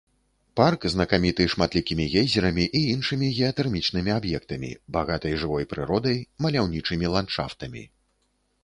Парк знакаміты шматлікімі гейзерамі і іншымі геатэрмічнымі аб'ектамі, багатай жывой прыродай, маляўнічымі ландшафтамі.